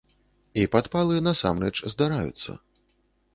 І падпалы насамрэч здараюцца.